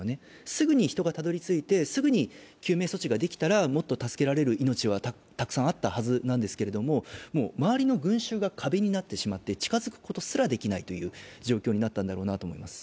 すぐに人がたどり着いて、すぐに救命措置ができたらもっと助けられる命はたくさんあったはずなんですけれども周りの群集が壁になってしまって近づくことすらできないという状況になったんだろうなと思います。